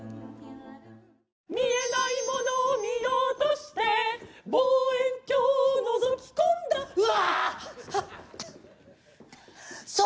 「見えないモノを見ようとして望遠鏡を覗き込んだ」わあ！